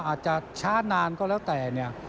อาจจะช้านานก็แล้วแต่เนี่ย